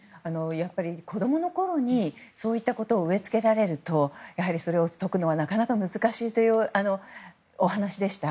子供のころにそういったことを植えつけられるとそれを解くのはなかなか難しいというお話でした。